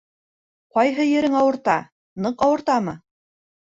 Ҡайһы ерең ауырта? Ныҡ ауыртамы?